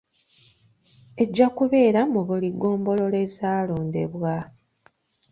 Ejja kubeera mu buli ggombolola ezaalondebwa.